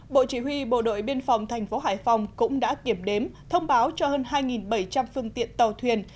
bộ chỉ huy bộ đội biên phòng thành phố hải phòng cũng đã kiểm đếm thông báo cho hơn hai bảy trăm linh phương tiện tàu thuyền